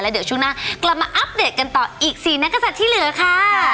เดี๋ยวช่วงหน้ากลับมาอัปเดตกันต่ออีก๔นักศัตริย์ที่เหลือค่ะ